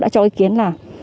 đã cho ý kiến là